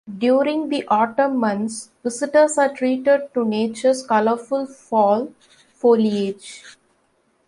During the autumn months, visitors are treated to nature's colorful fall foliage.